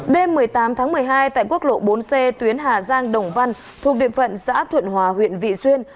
đêm một mươi tám tháng một mươi hai tại quốc lộ bốn c tuyến hà giang đồng văn thuộc địa phận xã thuận hòa huyện vị xuyên